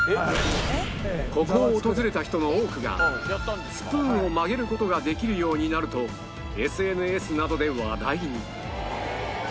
ここを訪れた人の多くがスプーンを曲げる事ができるようになると ＳＮＳ などで話題に